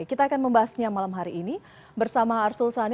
kita akan membahasnya malam hari ini bersama arsul sani